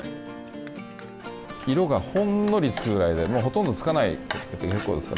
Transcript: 色がほんのりつくぐらいでほとんどつかないで結構ですから。